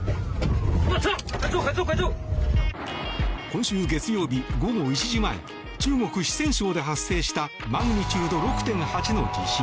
今週月曜日午後１時前中国・四川省で発生したマグニチュード６．８の地震。